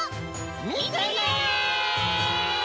みてね！